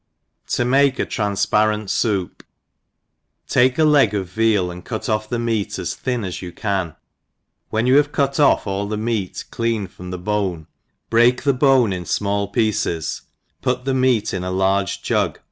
TV make a Taansparent Soup. TAKE a leg of veal, and cut off the meat as thin as you can ; when you have cut off all the meat clean from the bone, break the bone in fmall pieces, put the meat In a large jug.